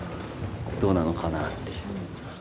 どうなのかなって。